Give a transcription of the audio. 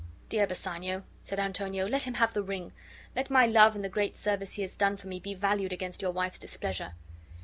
"Dear Bassanio," said Antonio, "let him have the ring. Let My love and the great service he has done for me be valued against your wife's displeasure."